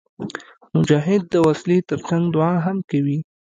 مجاهد د وسلې تر څنګ دعا هم کوي.